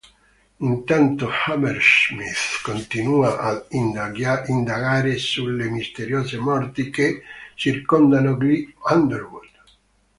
Intanto Hammerschmidt continua ad indagare sulle misteriose morti che circondano gli Underwood.